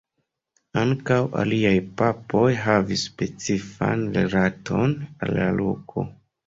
Ankaŭ aliaj papoj havis specifan rilaton al la loko.